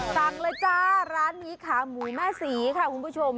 สั่งเลยจ้าร้านนี้ขาหมูแม่ศรีค่ะคุณผู้ชม